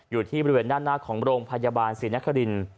อยู่ที่บริเวณด้านหน้าของโรงพยาบาลศรีนครินทร์